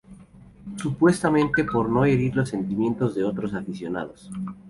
Supuestamente por no herir los sentimientos de otros aficionados.